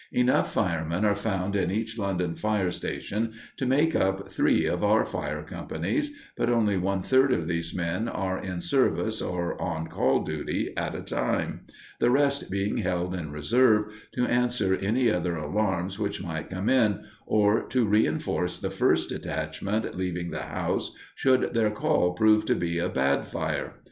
Enough firemen are found in each London fire station to make up three of our fire companies, but only one third of these men are in service or on "call duty" at a time, the rest being held in reserve to answer any other alarms which might come in, or to reinforce the first detachment leaving the house should their "call" prove to be a bad fire.